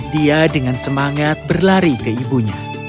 dia dengan semangat berlari ke ibunya